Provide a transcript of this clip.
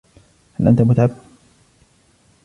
هل أنت مُتعب ؟